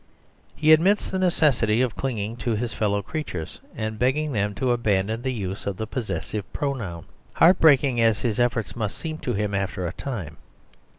26 The Superstition of Divorce He admits the necessity of clinging to his fel low creatures, and begging them to abandon the use of the possessive pronoun ; heart break ing as his efforts must seem to him after a time.